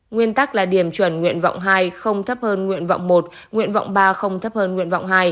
nguyên tắc là điểm chuẩn nguyện vọng hai không thấp hơn nguyện vọng một nguyện vọng ba không thấp hơn nguyện vọng hai